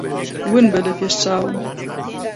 ون بە لە پێش چاوم.